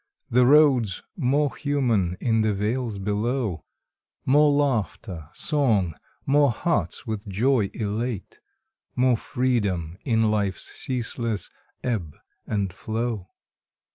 The Road's more human in the vales below — More laughter, song, more hearts with joy elate, More freedom in life's ceaseless ebb and flow.